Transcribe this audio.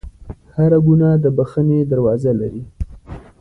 هر ګناه د بخښنې دروازه لري.